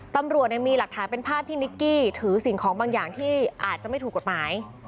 ตำรวจมีหลักฐานเป็นภาพที่นิกกี้ถือสิ่งของบางอย่างที่อาจจะไม่ถูกกฎหมาย